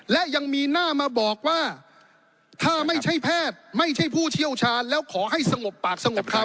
และยังมีหน้ามาบอกว่าถ้าไม่ใช่แพทย์ไม่ใช่ผู้เชี่ยวชาญแล้วขอให้สงบปากสงบคำ